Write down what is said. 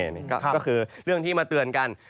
นี่ก็คือเรื่องที่มาเตือนกัน